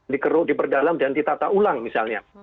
dikeruk diperdalam dan ditata ulang misalnya